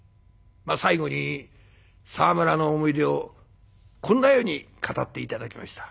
最後に沢村の思い出をこんなように語って頂きました。